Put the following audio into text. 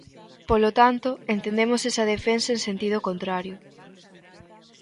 Polo tanto, entendemos esa defensa en sentido contrario.